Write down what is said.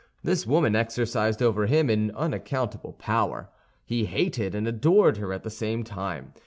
This woman exercised over him an unaccountable power; he hated and adored her at the same time.